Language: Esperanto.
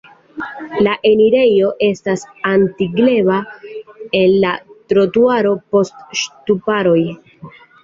La enirejo estas atingebla el la trotuaro post ŝtuparoj.